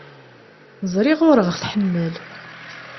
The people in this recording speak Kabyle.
Ẓriɣ ur aɣ-tḥemmel.